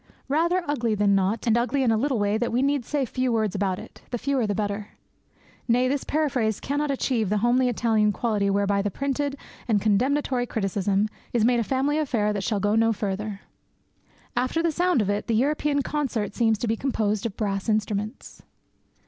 "Rather ugly than not, and ugly in a little way that we need say few words about the fewer the better;" nay, this paraphrase cannot achieve the homely Italian quality whereby the printed and condemnatory criticism is made a family affair that shall go no further. After the sound of it, the European concert seems to be composed of brass instruments.